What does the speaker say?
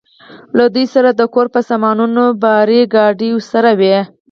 له دوی سره د کور په سامانونو بار، ګاډۍ ورسره وې.